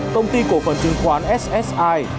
công ty cổ phần chứng khoán ssi